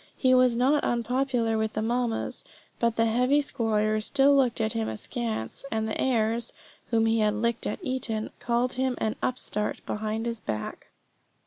He was not unpopular with the mammas; but the heavy squires still looked at him askance, and the heirs (whom he had licked at Eton) called him an upstart behind his back.